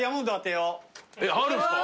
えっあるんすか？